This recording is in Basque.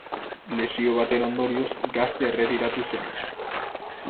Lesio baten ondorioz, gazte erretiratu zen.